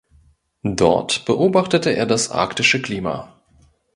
Dort beobachtete er das arktische Klima.